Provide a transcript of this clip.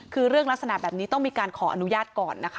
คือเรื่องลักษณะแบบนี้ต้องมีการขออนุญาตก่อนนะคะ